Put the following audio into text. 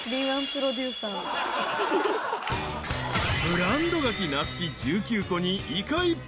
［ブランドがき夏輝１９個にイカ１杯］